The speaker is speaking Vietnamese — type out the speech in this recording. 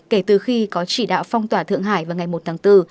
kể từ khi có chỉ đạo phong tỏa thượng hải vào ngày một tháng bốn